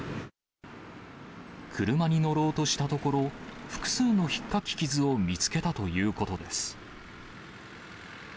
車に乗ろうとしたところ、複数のひっかき傷を見つけたということです。